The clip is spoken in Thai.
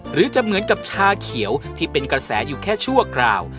หรือจะเหมือนกับชาเขียวที่เป็นกระแสอยู่แค่ชั่วคราว